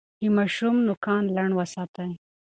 د ماشوم نوکان لنډ وساتئ.